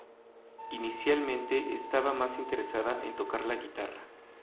Inicialmente estaba más interesada en tocar la guitarra.